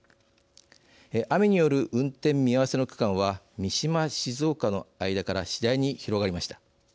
雨による運転見合わせの区間は三島−静岡の間から次第に広がりました。